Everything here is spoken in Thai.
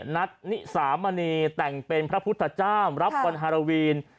นิสามณีแต่งเป็นพระพุทธเจ้ารับวันฮาราวีน